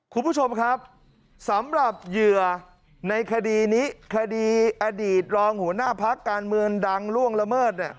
คุณผู้ชมครับสำหรับเหยื่อในคดีนี้คดีอดีตรองหัวหน้าพักการเมืองดังล่วงละเมิด